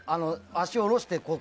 足を下ろして。